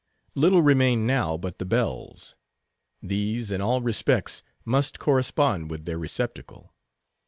Little remained now but the bells. These, in all respects, must correspond with their receptacle.